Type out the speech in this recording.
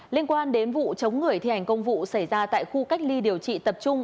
liên quan đến vụ chống người thi hành công vụ xảy ra tại khu cách ly điều trị tập trung